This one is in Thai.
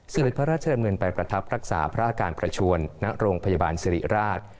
เสด็จพระราชดำเนินไปประทับรักษาพระอาการประชวนณโรงพยาบาลสิริราช